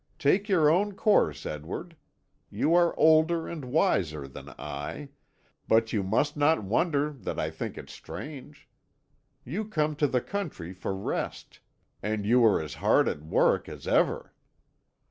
Take your own course, Edward; you are older and wiser than I; but you must not wonder that I think it strange. You come to the country for rest, and you are as hard at work as ever."